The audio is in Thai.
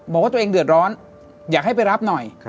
บอกว่าตัวเองเดือดร้อนอยากให้ไปรับหน่อย